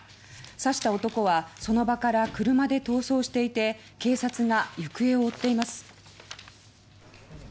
刺した男はその場から車で逃走していて警察が行方を追っています。